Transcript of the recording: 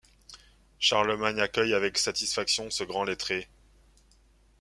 Charlemagne accueille avec satisfaction ce grand lettré.